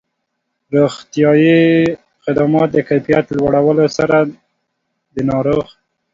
روغتیایي خدماتو د کيفيت لوړولو سره د ناروغ